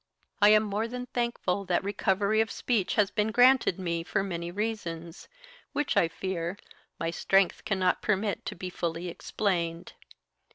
I am more than thankful that recovery of speech has been granted me for many reasons, which, I fear, my strength cannot permit to be fully explained.